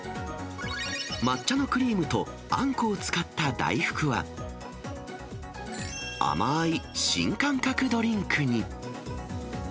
抹茶のクリームとあんこを使った大福は、甘ーい新感覚ドリンクに。